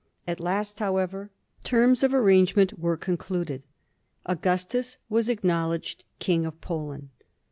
At last, however, terms of arrange ment were concluded. Augustus was acknowledged King of Poland.